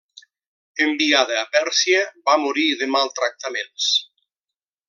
Enviada a Pèrsia va morir de maltractaments.